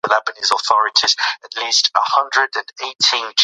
د کورس شاګردانو په ازموینو کې ډېره وړتیا وښودله.